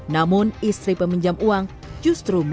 namun istri peminjam uang justru